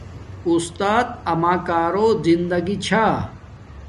اُستات آماکارو زندگی چھا